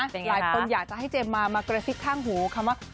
หลายคนอยากจะให้เจมส์มามากระซิบข้างหูคำว่า